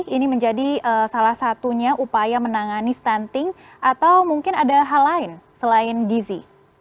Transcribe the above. ini menjadi salah satunya upaya menangani stunting atau mungkin ada hal lain selain gizi